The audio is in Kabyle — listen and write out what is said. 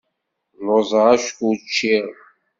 Lluẓeɣ acku ur cciɣ.